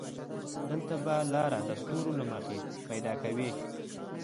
دلته به لاره د ستورو له مخې پيدا کوې.